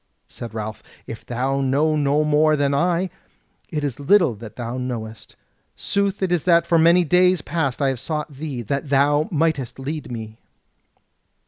Said Ralph: "If thou know no more than I, it is little that thou knowest. Sooth it is that for many days past I have sought thee that thou mightest lead me."